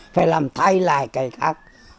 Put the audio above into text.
phải làm thay lại cái khác